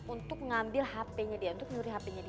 untuk mengambil hp nya dia untuk nyuri hp nya dia